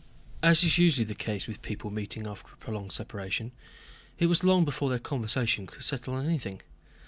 As is usually the case with people meeting after a prolonged separation, it was long before their conversation could settle on anything.